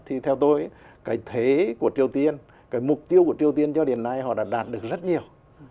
thì theo tôi cái thế của triều tiên cái mục tiêu của triều tiên cho đến nay họ đã đạt được rất nhiều